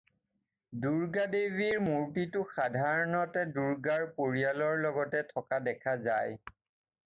দুৰ্গা দেৱীৰ মূৰ্তিটো সাধাৰণতে দুৰ্গাৰ পৰিয়ালৰ লগতে থকা দেখা যায়।